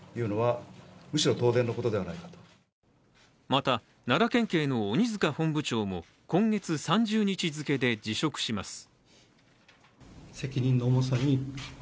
また奈良県警の鬼塚本部長も今月３０日付で辞職します。